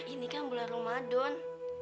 ini kan bulan ramadan